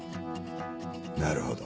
なるほど。